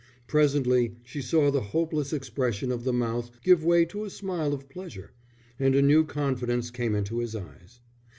Presently she saw the hopeless expression of the mouth give way to a smile of pleasure, and a new confidence came into his eyes.